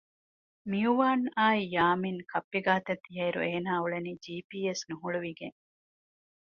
މިއުވާންއާއި ޔާމިން ކައްޕި ގާތަށް ދިޔައިރު އޭނާ އުޅެނީ ޖީޕީއެސް ނުހުޅުވިގެން